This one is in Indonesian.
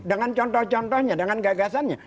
dengan contoh contohnya dengan gagasannya